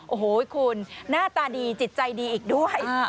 โอ้โหคุณหน้าตาดีจิตใจดีอีกด้วย